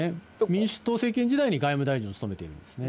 民主党政権時代に外務大臣を務めているんですね。